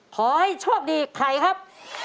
ขอให้โชคดีใครครับ